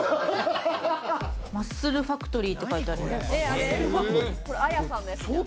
マッスルファクトリーって書いてあります。